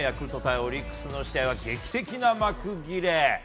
オリックスの試合は劇的な幕切れ。